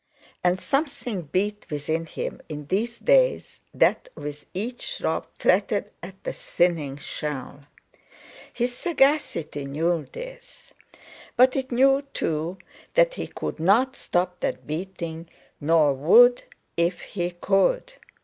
And something beat within him in these days that with each throb fretted at the thinning shell. His sagacity knew this, but it knew too that he could not stop that beating, nor would if he could.